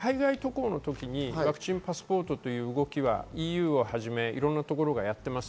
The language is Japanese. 海外渡航のところにワクチンパスポートという動きはＥＵをはじめいろいろなところがやっています。